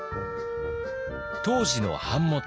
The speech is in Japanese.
当時の版元